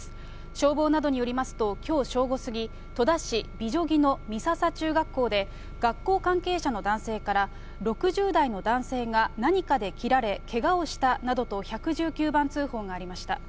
消防などによりますと、きょう正午過ぎ、戸田市美女木の美笹中学校で、学校関係者の男性から、６０代の男性が、何かで切られ、けがをしたなどと１１９番通報がありました。